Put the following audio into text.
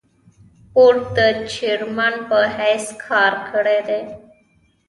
بورډ د چېرمين پۀ حېثيت کار کړے دے ۔